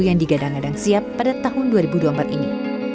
yang digadang gadang siap pada tahun dua ribu dua puluh empat ini